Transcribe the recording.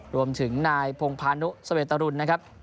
รวมถึงนายพงพานุสเวตรุณนะครับ